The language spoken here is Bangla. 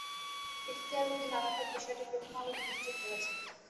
ইখতিয়ার উদ্দিন আরাফাত বিষয়টি প্রথম আলোকে নিশ্চিত করেছেন।